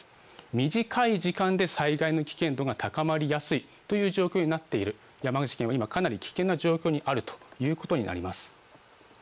短い時間で災害の危険度が高まりやすいという状況になっている山口県は今、かなり危険な状況にあるということになります。